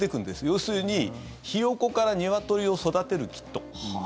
要するに、ヒヨコからニワトリを育てるキット。